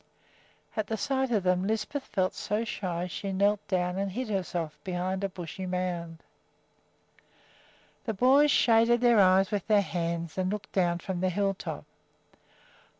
At sight of them Lisbeth felt so shy that she kneeled down and hid herself behind a bushy little mound. The boys shaded their eyes with their hands and looked down from the hilltop.